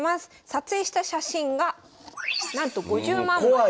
撮影した写真がなんと５０万枚。